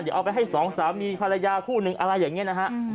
เดี๋ยวเอาไปให้สองสามีภรรยาคู่หนึ่งอะไรอย่างนี้นะฮะ